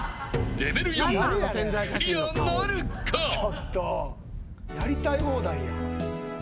レベル４、クリアやりたい放題やん。